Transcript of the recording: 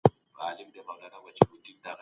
سپوږمۍ ته ګوره زه پر بام ولاړه يمه